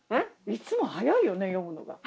いつも速いよね読むのが。